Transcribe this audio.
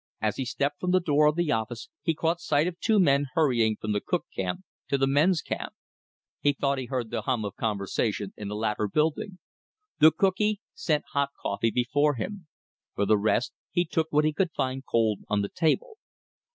As he stepped from the door of the office he caught sight of two men hurrying from the cook camp to the men's camp. He thought he heard the hum of conversation in the latter building. The cookee set hot coffee before him. For the rest, he took what he could find cold on the table.